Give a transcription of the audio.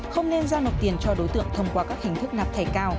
không nên giao nộp tiền cho đối tượng thông qua các hình thức nạp thẻ cao